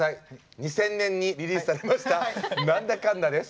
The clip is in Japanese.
２０００年にリリースされました「ナンダカンダ」です。